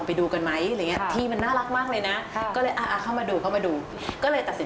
ทีนี้ต้องมีคอนเซ็ปท์ของร้านครับยี่